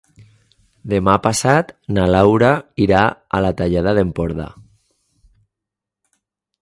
Demà passat na Laura irà a la Tallada d'Empordà.